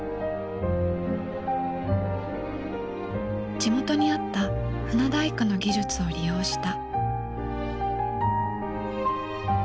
地元にあった船大工の技術を利用した。